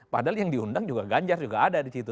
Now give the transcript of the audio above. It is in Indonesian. padahal yang diundang juga ganjar juga ada di situ